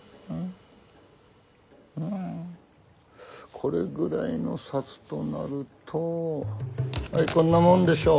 これぐらいの札となるとはいこんなもんでしょう。